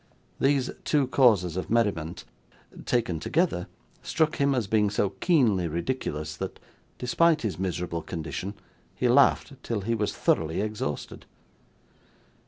These two causes of merriment, taken together, struck him as being so keenly ridiculous, that, despite his miserable condition, he laughed till he was thoroughly exhausted.